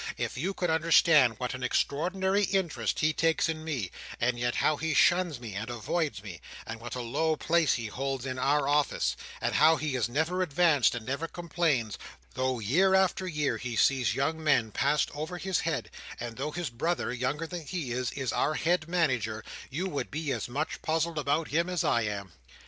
If you could understand what an extraordinary interest he takes in me, and yet how he shuns me and avoids me; and what a low place he holds in our office, and how he is never advanced, and never complains, though year after year he sees young men passed over his head, and though his brother (younger than he is), is our head Manager, you would be as much puzzled about him as I am."